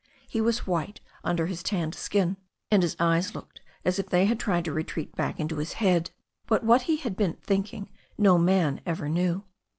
He was white under his tanned skin and his eyes looked as if they had tried to retreat back into his head. But what he had been thinking no man ever knew.